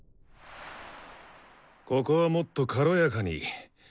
ここはもっと「軽やか」に。